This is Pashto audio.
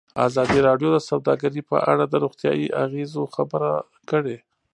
ازادي راډیو د سوداګري په اړه د روغتیایي اغېزو خبره کړې.